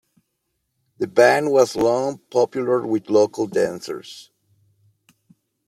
The band was long popular with local dancers.